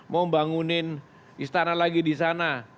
mau membangunin istana lagi di sana